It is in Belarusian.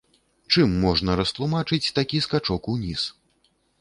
Чым можна растлумачыць такі скачок уніз?